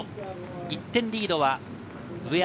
１点リードは上山。